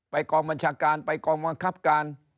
กองบัญชาการไปกองบังคับการ